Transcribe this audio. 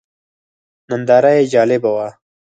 ننداره یې جالبه وه.